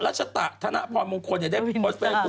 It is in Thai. รัชชะธนาคมงคลอย่าได้โพสต์แบบนี้